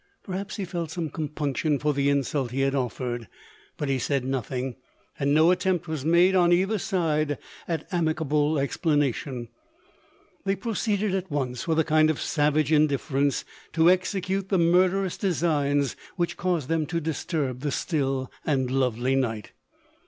Perhaps he felt some compunction for the insult he had offered ; but he said nothing, and no attempt was made on either side at amicable ex planation. They proceeded at once, with a kind of savage indifference, to execute the murderous designs which caused them to disturb the still and lovelv night.